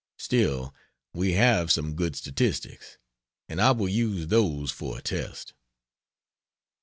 Still, we have some good statistics and I will use those for a test.